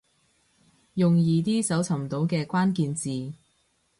用易啲搜尋到嘅關鍵字